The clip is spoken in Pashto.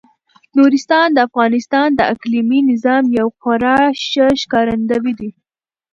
نورستان د افغانستان د اقلیمي نظام یو خورا ښه ښکارندوی دی.